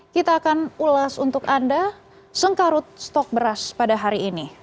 kita akan ulas untuk anda sengkarut stok beras pada hari ini